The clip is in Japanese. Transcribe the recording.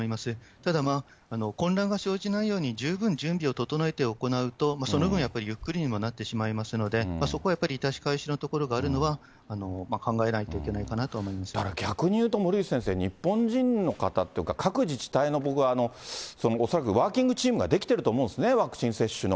ただ、混乱が生じないように十分準備を整えて行うと、その分やっぱりゆっくりにもなってしまいますので、そこはやっぱり痛しかゆしのところがあるのは考えないといけないだから逆に言うと森内先生、日本人の方っていうか、各自治体の僕は恐らく、ワーキングチームが出来ていると思うんですね、ワクチン接種の。